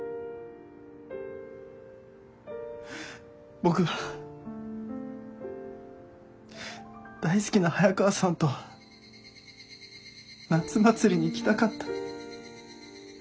僕は大好きな早川さんと夏祭りに行きたかった。